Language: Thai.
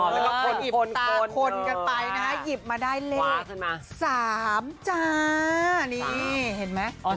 แล้วก็คนหยิบตาคนกันไปนะฮะหยิบมาได้เลข๓จ้านี่เห็นไหม